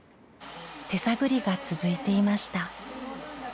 手探りが続いていました。